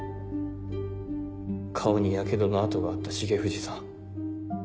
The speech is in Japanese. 顔にやけどの痕があった重藤さん。